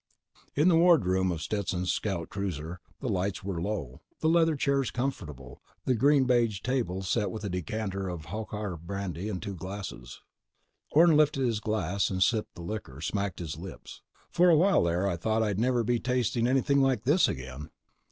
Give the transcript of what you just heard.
In the wardroom of Stetson's scout cruiser, the lights were low, the leather chairs comfortable, the green beige table set with a decanter of Hochar brandy and two glasses. Orne lifted his glass, sipped the liquor, smacked his lips. "For a while there, I thought I'd never be tasting anything like this again."